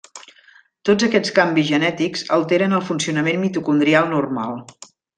Tots aquests canvis genètics alteren el funcionament mitocondrial normal.